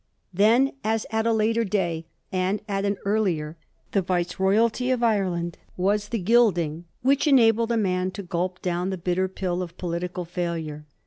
Then, as at a later day and at an earlier, the Viceroyalty of Ireland was the gilding which enabled a man to gulp down the bitter pill of political failure.